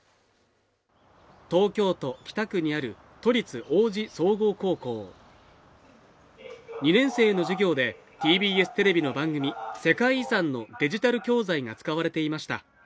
東京都北区にある都立王子総合高校２年生の授業でＴＢＳテレビの番組「世界遺産」のデジタル教材が使われていました